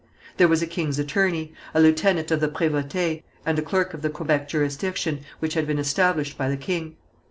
There was a king's attorney, a lieutenant of the Prévôté, and a clerk of the Quebec jurisdiction, which had been established by the king.